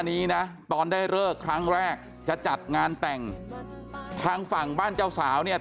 นี้นะตอนได้เลิกครั้งแรกจะจัดงานแต่งทางฝั่งบ้านเจ้าสาวเนี่ย